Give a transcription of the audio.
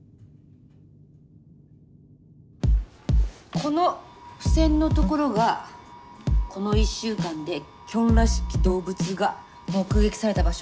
この付箋のところがこの１週間でキョンらしき動物が目撃された場所。